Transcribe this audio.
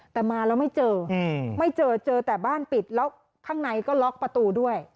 แต่มาแล้วไม่เจอไม่เจอเจอแต่บ้านปิดแล้วข้างในก็ล็อกประตูด้วย